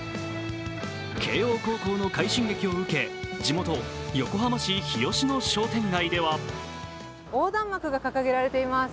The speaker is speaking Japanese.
慶応高校の快進撃を受け、地元・横浜市日吉の商店街では横断幕が掲げられています